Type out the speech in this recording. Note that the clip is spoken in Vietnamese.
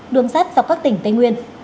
đường sắt dọc các tỉnh tây nguyên